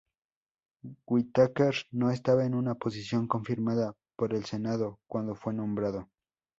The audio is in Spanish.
Whitaker no estaba en una posición confirmada por el Senado cuando fue nombrado.